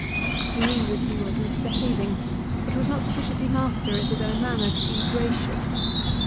He knew that he was misbehaving, but was not sufficiently master of his own manner to be gracious.